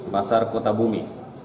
pasar kota bumi